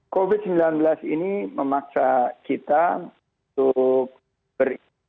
covid sembilan belas ini memaksa kita untuk berimprovisi beradaptasi dan berkolaborasi reinhard